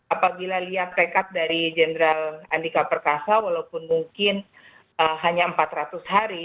apabila lihat rekap dari jenderal andika perkasa walaupun mungkin hanya empat ratus hari